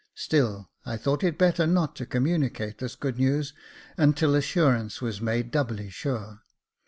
Still I thought it better not to communicate this good news until assurance was made doubly sure.